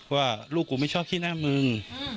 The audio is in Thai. ว่าลูกกูไม่ชอบขี้หน้ามึง